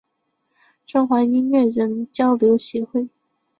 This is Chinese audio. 中华音乐人交流协会